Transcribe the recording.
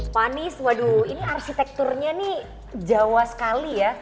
panis waduh ini arsitekturnya nih jawa sekali ya